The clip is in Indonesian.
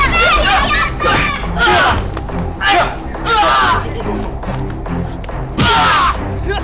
tuh kan kita ada dua